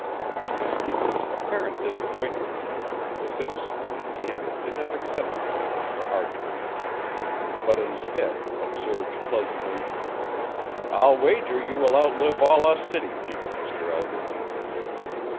To the speaker's apparent disappointment, the citizen from Indiana did not accept the challenge for argument but instead observed pleasantly: "I'll wager you will outlive all us city people, Mr. Eldridge."